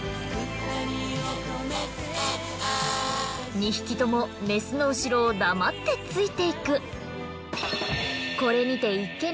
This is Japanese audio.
２匹ともメスの後ろを黙ってついていく。